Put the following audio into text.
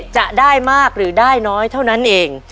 จะได้มากหรือได้น้อยเท่านั้นเอง